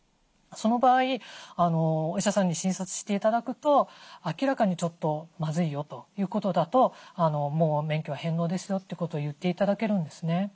その場合お医者さんに診察して頂くと明らかにちょっとまずいよということだともう免許は返納ですよってことを言って頂けるんですね。